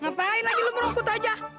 ngapain lagi lu merokot aja